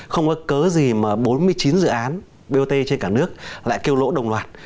không có cớ gì mà bốn mươi chín dự án bot trên cả nước lại kêu lỗ đồng loạt